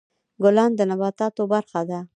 ګلان د نباتاتو برخه ده.